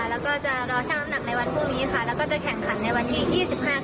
แล้วก็จะรอชั่งน้ำหนักในวันพรุ่งนี้ครับ